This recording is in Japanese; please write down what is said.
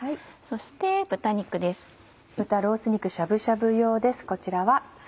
そして豚肉です。